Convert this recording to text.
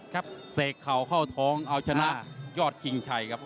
เสกเข่าเข้าท้องเอาชนะยอดชิงชัยครับ